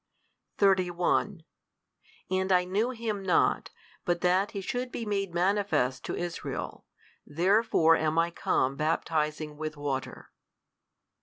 31 And I knew Him not, but that He should be made manifest to Israel, therefore am I come baptizing with water.